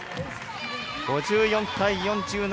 ５４対４７。